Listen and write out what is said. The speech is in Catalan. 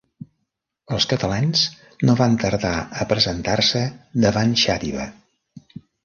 Els catalans no van tardar a presentar-se davant Xàtiva.